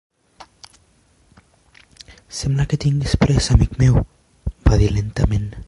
"Sembla que tinguis pressa, amic meu", va dir lentament.